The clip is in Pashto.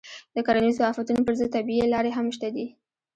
د کرنیزو آفتونو پر ضد طبیعي لارې هم شته دي.